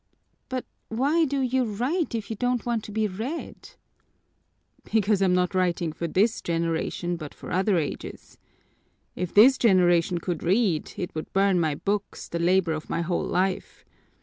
"But why do you write if you don't want to be read?" "Because I'm not writing for this generation, but for other ages. If this generation could read, it would burn my books, the labor of my whole life.